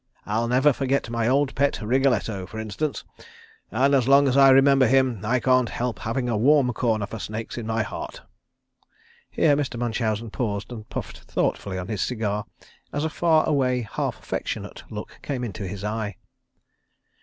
I'll never forget my old pet Wriggletto, for instance, and as long as I remember him I can't help having a warm corner for snakes in my heart." Here Mr. Munchausen paused and puffed thoughtfully on his cigar as a far away half affectionate look came into his eye.